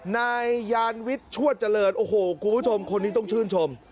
นายยานวิทย์ชวดเจริญโอ้โหคุณผู้ชมคนนี้ต้องชื่นชม